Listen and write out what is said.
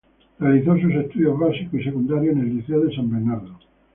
Realizó sus estudios básicos y secundarios en el Liceo de San Bernardo.